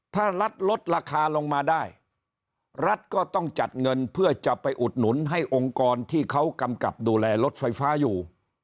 ถ้ารัฐลดราคาลงมาได้รัฐก็ต้องจัดเงินเพื่อจะไปอุดหนุนให้องค์กรที่เขากำกับดูแลรถไฟฟ้าอยู่